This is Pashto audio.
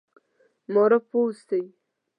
معارف پوه اوسي.